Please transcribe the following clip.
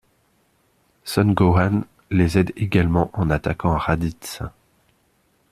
Son Gohan les aide également en attaquant Raditz.